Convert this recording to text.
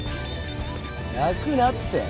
泣くなって。